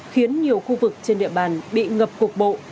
khiến nhiều khu vực trên địa bàn bị ngập cục bộ